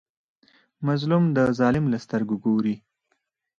مظلوم د ظالم له سترګو ګوري.